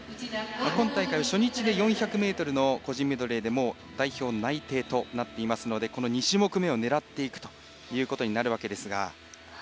今大会、初日で４００ｍの個人メドレーで代表内定となっていますので２種目めを狙っていくということになるわけですが。